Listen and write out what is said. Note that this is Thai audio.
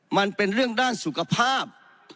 มันเป็นเรื่องด้านสุขภาพ